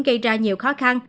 gây ra nhiều khó khăn